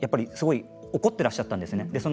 すごい怒っていらっしゃったんですね。